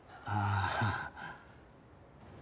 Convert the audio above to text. ああ。